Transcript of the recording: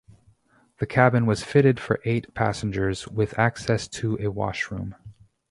The cabin was fitted for eight-passengers with access to a washroom.